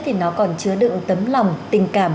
thì nó còn chứa đựng tấm lòng tình cảm